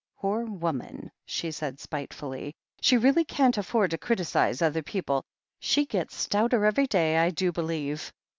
"Poor woman!" she said spitefully. "She really can't afford to criticize other people. She gets stouter every day, I do believe."